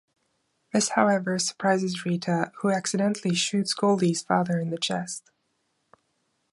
This however, surprises Rita, who accidentally shoots Goldie's father in the chest.